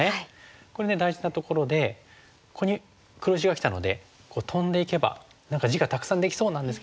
これ大事なところでここに黒石がきたのでトンでいけば何か地がたくさんできそうなんですけども。